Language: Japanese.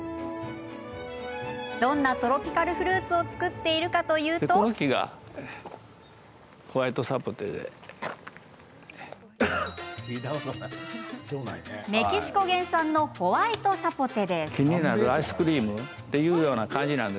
どんなトロピカルフルーツを作っているかというとメキシコ原産のホワイトサポテです。